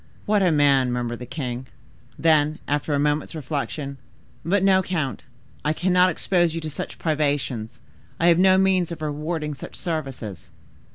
"What a man!" murmured the king. Then, after a moment's reflection,—"But no, count, I cannot expose you to such privations. I have no means of rewarding such services."